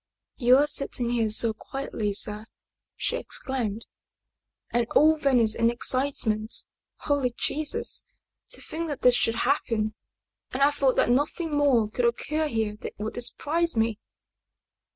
" You are sitting here so quietly, sir!" she exclaimed. "And all Venice in excitement? Holy Jesus! To think that this should happen and I thought that nothing more could occur here that would surprise me